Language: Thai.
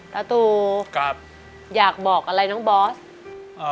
ตาตูอยากบอกอะไรน้องบอสครับ